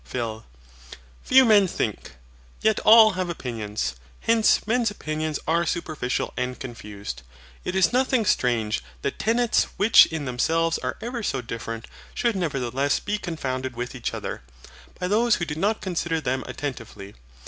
PHIL. Few men think; yet all have opinions. Hence men's opinions are superficial and confused. It is nothing strange that tenets which in themselves are ever so different, should nevertheless be confounded with each other, by those who do not consider them attentively.